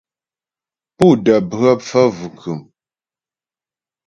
Pú də́ bhə phə́ bvʉ̀khʉm.